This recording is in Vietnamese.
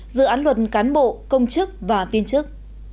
dự án luật cán bộ công chức và viên chức